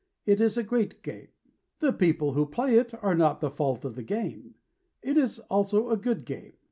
It is a great game: The people who play it are not the fault of the game. It is also a good game.